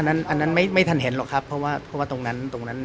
อ๋ออันนั้นไม่ทันเห็นหรอกครับเพราะว่าตรงนั้น